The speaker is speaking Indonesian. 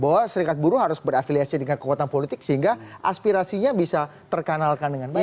bahwa serikat buruh harus berafiliasi dengan kekuatan politik sehingga aspirasinya bisa terkanalkan dengan baik